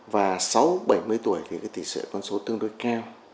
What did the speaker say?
và sáu bảy mươi tuổi thì tỷ lệ con số tương đối cao